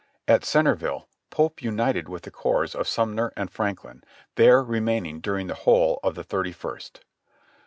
At Centerville Pope united with the corps of Sumner and Franklin, there remaining during the whole of the thirty first.